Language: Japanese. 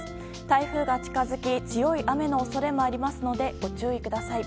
台風が近づき強い雨の恐れもありますのでご注意ください。